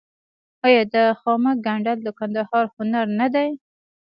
آیا د خامک ګنډل د کندهار هنر نه دی؟